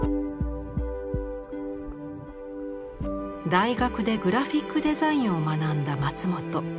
大学でグラフィックデザインを学んだ松本。